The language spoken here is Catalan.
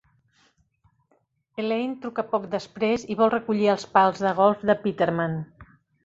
Elaine truca poc després i vol recollir els pals de golf de Peterman.